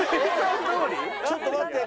ちょっと待って。